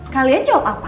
kalian jawab apa